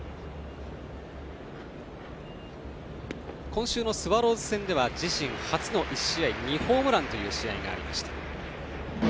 今週のスワローズ戦では自身初の１試合２ホームランの試合もありました。